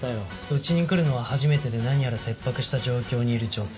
うちに来るのは初めてで何やら切迫した状況にいる女性。